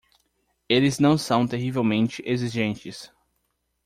Eles não são terrivelmente exigentes.